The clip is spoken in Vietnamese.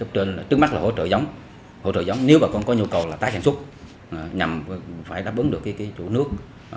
trước mắt là hỗ trợ giống nếu bà con có nhu cầu là tái sản xuất nhằm phải đáp ứng được chủ nước